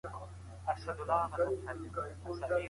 ایا له غوسې او خپګان څخه ډډه کول د ژوند خوږوالی زیاتوي؟